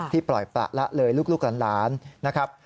ปล่อยประละเลยลูกหลานนะครับ